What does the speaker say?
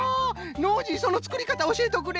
ノージーそのつくりかたおしえとくれ！